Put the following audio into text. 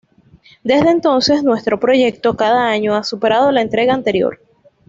Desde entonces, nuestro proyecto cada año ha superado la entrega anterior.